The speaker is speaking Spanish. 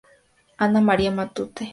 Ana María Matute.